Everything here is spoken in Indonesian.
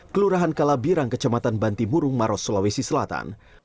kelurahan kalabirang kecamatan bantimurung maros sulawesi selatan